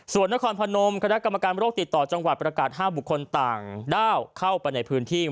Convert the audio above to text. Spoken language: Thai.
ส่วนนครพนมคณะกรรมการโรคติดต่อจังหวัดประกาศ๕บุคคลต่างด้าวเข้าไปในพื้นที่